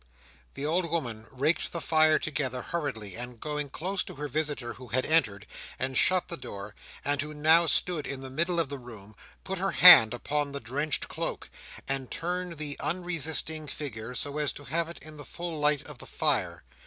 The old woman raked the fire together, hurriedly, and going close to her visitor who had entered, and shut the door, and who now stood in the middle of the room, put her hand upon the drenched cloak, and turned the unresisting figure, so as to have it in the full light of the fire.